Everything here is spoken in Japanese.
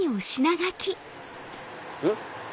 えっ？